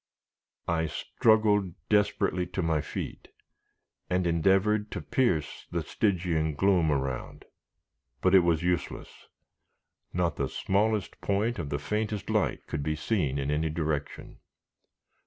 I struggled desperately to my feet, and endeavored to pierce the Stygian gloom around; but it was useless; not the smallest point of the faintest light could be seen in any direction.